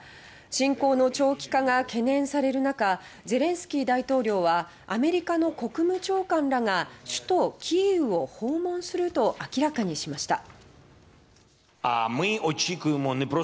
侵攻の長期化が懸念される中ゼレンスキー大統領はアメリカの国務長官らが首都キーウを訪問すると明らかにしました。